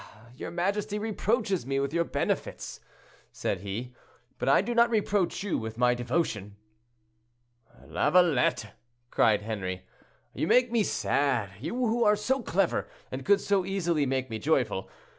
your majesty reproaches me with your benefits," said he, "but I do not reproach you with my devotion." "Lavalette," cried Henri, "you make me sad; you who are so clever, and could so easily make me joyful.